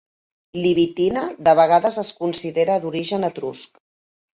Libitina de vegades es considera d'origen etrusc.